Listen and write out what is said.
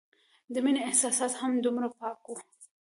د مينې احساس هم دومره پاک وو